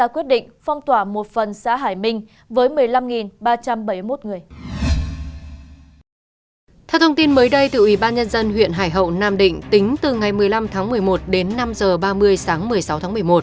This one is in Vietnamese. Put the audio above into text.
kênh mới đây từ ủy ban nhân dân huyện hải hậu nam định tính từ ngày một mươi năm tháng một mươi một đến năm giờ ba mươi sáng một mươi sáu tháng một mươi một